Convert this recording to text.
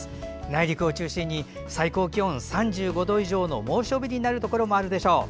内陸を中心に、最高気温が３５度以上の猛暑日になるところもあるでしょう。